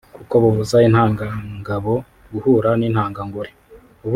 kuko bubuza intangangabo guhura n’intangangore